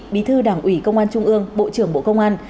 bí thư đảng ủy công an trung ương bộ trưởng bộ công an